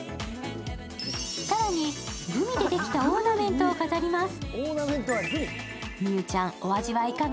さらにグミでできたオーナメントを飾ります。